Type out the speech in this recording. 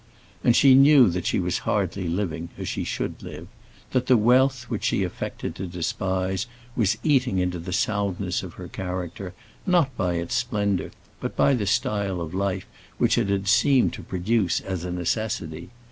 And she knew that she was hardly living as she should live, that the wealth which she affected to despise was eating into the soundness of her character, not by its splendour, but by the style of life which it had seemed to produce as a necessity.